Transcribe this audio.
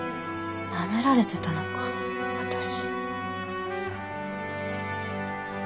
舐められてたのか私。